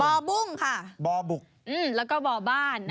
บ่อบุ้งค่ะบ่อบุกแล้วก็บ่อบ้าน